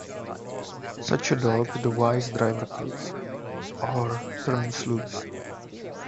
Such a dog the wise driver kills, or turns loose.